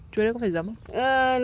chuối đó có phải dấm không